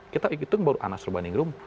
kita itu baru anas rubaningrum